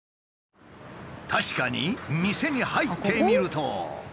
確かに店に入ってみると。